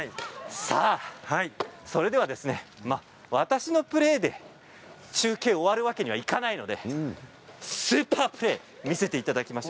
それでは私のプレーで中継を終わるわけにはいかないのでスーパープレーを見せていただきます。